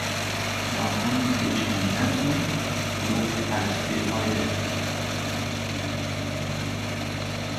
• Yong‘in o‘chgandan so‘ng quduq qazish befoyda.